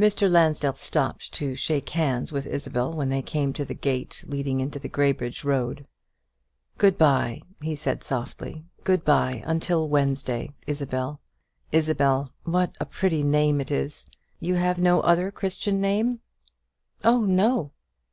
Mr. Lansdell stopped to shake hands with Isabel when they came to the gate leading into the Graybridge road. "Good bye," he said softly: "good bye, until Wednesday, Isabel. Isabel what a pretty name it is! You have no other Christian name?" "Oh no."